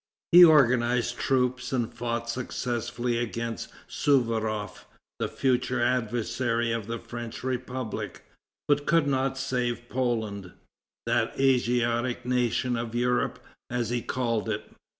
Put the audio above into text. He organized troops and fought successfully against Souvaroff, the future adversary of the French Republic, but could not save Poland that Asiatic nation of Europe, as he called it.